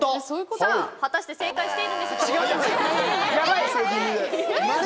さあ、果たして正解しているんでしょうか。